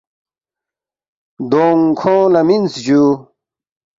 دونگ کھونگ لہ مِنس جوُ